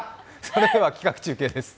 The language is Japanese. それでは企画中継です。